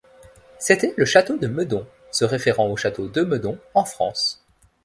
C'était le Chateau de Meudon, se référant au Château de Meudon en France.